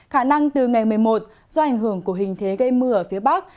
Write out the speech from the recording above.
khả năng từ ngày một mươi một do ảnh hưởng của hình thế gây mưa ở phía bắc